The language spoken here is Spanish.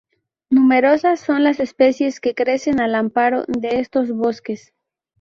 Numerosas son las especies que crecen al amparo de estos bosques.